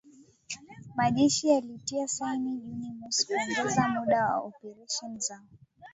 Majeshi yalitia saini Juni mosi kuongeza muda wa operesheni zao